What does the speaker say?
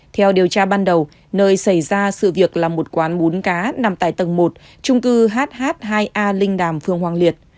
theo điều tra ban đầu nơi xảy ra sự việc là một quán bún cá nằm tại tầng một trung cư hh hai a linh đàm phường hoàng liệt